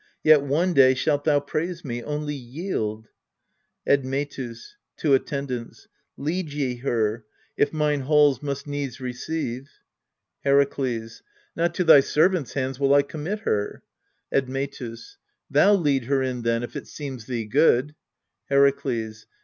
Yet one day shalt thou praise me : only yield. Admetus [to ATTENDANTS]. Lead ye her, if mine halls must needs receive. Herakles. Not to thy servants' hands will I commit her. Admetus. Thou lead her in then, if it seems thee good. Herakles.